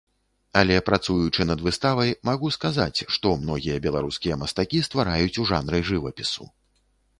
Але, працуючы над выставай, магу сказаць, што многія беларускія мастакі ствараюць у жанры жывапісу.